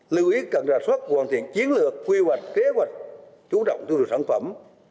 lưu ý càng ra soát hoàn thiện chiến lược quy hoạch kế hoạch chú động tư đồ sản phẩm